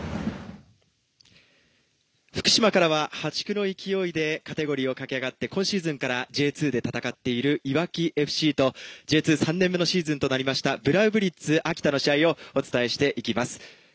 福島からは破竹の勢いでカテゴリーを駆け上がって今シーズンからＪ２で戦っているいわきＦＣとＪ２、３シーズンとなったブラウブリッツ秋田のゲームをお伝えしていきます。